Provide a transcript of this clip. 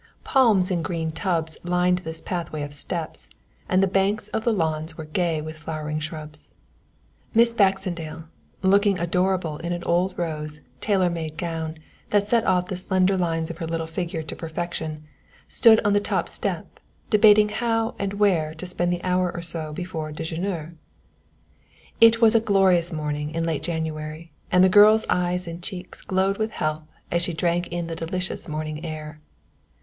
Palms in green tubs lined this pathway of steps, and the banks of the lawns were gay with flowering shrubs. Miss Baxendale, looking adorable in an old rose, tailor made gown, that set off the slender lines of her little figure to perfection, stood on the top step debating how and where to spend the hour or so before déjeuner. It was a glorious morning in late January, and the girl's eyes and cheeks glowed with health as she drank in the delicious morning air.